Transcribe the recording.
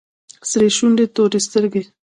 سرې شونډې تورې سترگې.